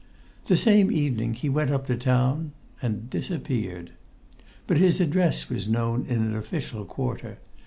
The same evening he went up to town—and disappeared. But his address was known in an official quarter.